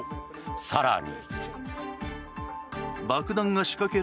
更に。